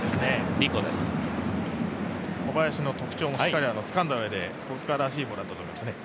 小林の特徴もしっかりつかんだ上で小塚らしいボールだったと思いますね。